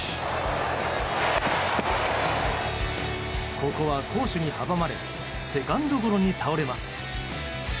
ここは好守に阻まれセカンドゴロに倒れます。